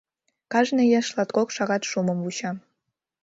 Кажне еш латкок шагат шумым вуча.